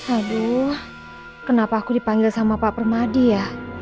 aduh kenapa aku dipanggil sama pak permadi ya